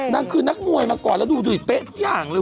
นางคือนักมวยมาก่อนแล้วดูดิเป๊ะทุกอย่างเลย